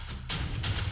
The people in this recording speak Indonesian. cara bisa dipegang